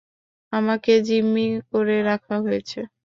আমাকে জিম্মি করে রাখা হয়েছে।